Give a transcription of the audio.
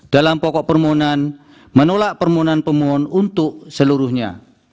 dalam pokok permohonan menolak permohonan pemohon untuk seluruhnya